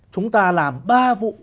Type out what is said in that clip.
chúng ta làm ba vụ